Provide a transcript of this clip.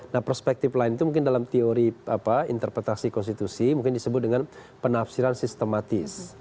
nah perspektif lain itu mungkin dalam teori interpretasi konstitusi mungkin disebut dengan penafsiran sistematis